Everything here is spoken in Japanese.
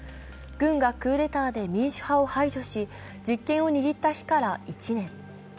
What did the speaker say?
軍がクーデターで民主派を排除し、実験を握った日から１年。